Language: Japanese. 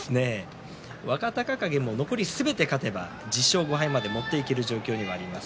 若隆景も残りすべて勝てば１０勝５敗まで持っていける状況にはあります。